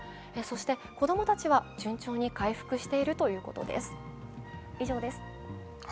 子供たちは順調に回復しているということです。